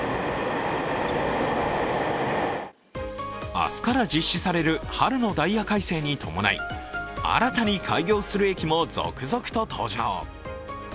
明日から実施される春のダイヤ改正に伴い新たに開業する駅も続々と登場。